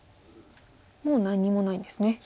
もう何もないんですね。